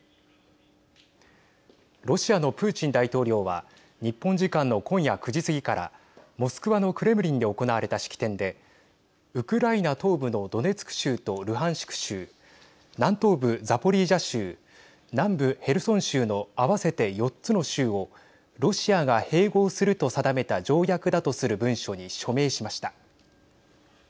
ロシアのプーチン大統領は日本時間の今夜９時過ぎからモスクワのクレムリンで行われた式典でウクライナ東部のドネツク州とルハンシク州南東部ザポリージャ州南部ヘルソン州の合わせて４つの州をロシアが併合すると定めた条約だとする文書に署名しました。